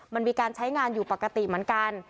มันมีการใช้งานอยู่ปกติเหมือนกัน